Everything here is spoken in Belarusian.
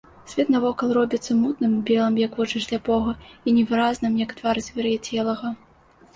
Свет навокал робіцца мутным і белым, як вочы сляпога, і невыразным, як твар звар'яцелага.